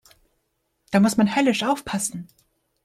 Da muss man höllisch aufpassen.